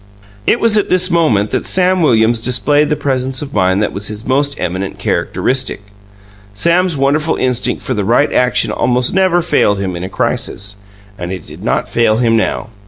It was at this moment that Sam Williams displayed the presence of mind that was his most eminent characteristic. Sam's wonderful instinct for the right action almost never failed him in a crisis, and it did not fail him now.